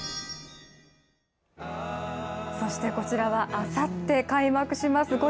そしてこちらは、あさって開幕します